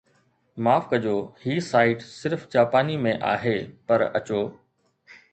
معاف ڪجو هي سائيٽ صرف جاپاني ۾ آهي پر اچو